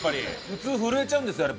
普通震えちゃうんですよあれ。